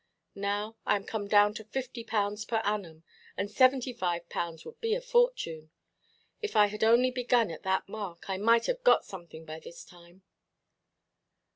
Now I am come down to 50_l._ per annum, and 75_l._ would be a fortune. If I had only begun at that mark, I might have got something by this time.